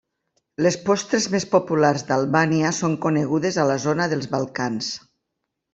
Les postres més populars d'Albània són conegudes a la zona dels Balcans.